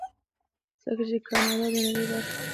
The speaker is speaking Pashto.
ځکه چې کاناډا د نړۍ برخه ده.